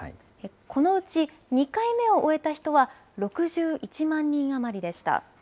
このうち２回目を終えた人は６１万人余りでした。